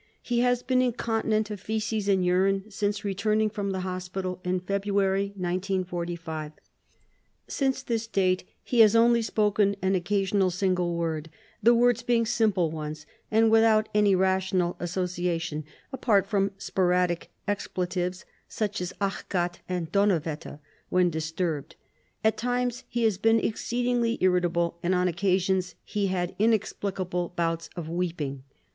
He has been incontinent of feces and urine since returning from the hospital in February 1945. Since this date he has only spoken an occasional single word, the words being simple ones and without any rational association, apart from sporadic expletives, such as "Ach, Gott" and "Donner Wetter", when disturbed. At times he has been exceedingly irritable and on occasions has had inexplicable bouts of weeping.